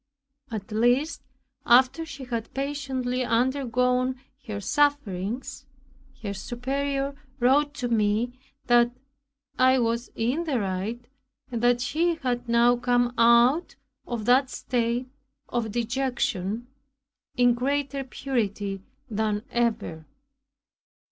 At last, after she had patiently undergone her sufferings, her Superior wrote to me that "I was in the right, and that she had now come out of that state of dejection, in greater purity than ever."